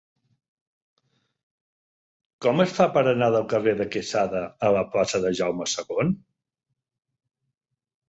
Com es fa per anar del carrer de Quesada a la plaça de Jaume II?